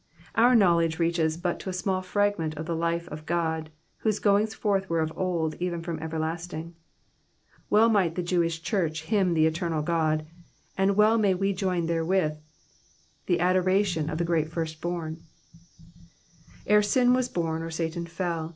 Our knowledge reaches but to a small fragment of the life of God, whose goings forth were of old, even from everlasting.'' Well might the Jewish church hymn the eternal God, and well may we join therewith the adoration of the Great Firstborn :—Bre sin was bom, or Satan fell.